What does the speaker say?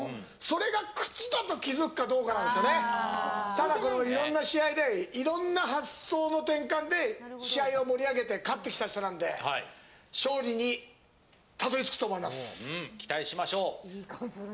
ただ、いろんな試合でいろんな発想の転換で試合を盛り上げて勝ってきた人なので勝利にたどり着くと思います。